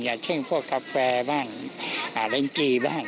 อย่าเช่นพวกกาแฟบ้างอารินทรีย์บ้าง